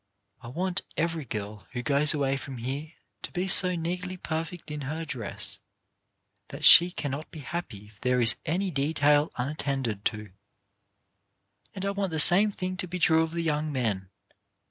I want every girl who goes away from here to be so nearly perfect in her dress that she cannot be happy if there is any detail unattended to; and I want the same thing to be true of the young men.